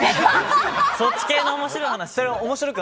そっち系の面白い話？